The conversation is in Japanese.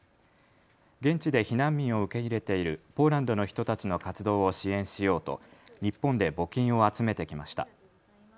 現地で避難民を受け入れているポーランドの人たちの活動を支援しようと日本で募金を集めてきました。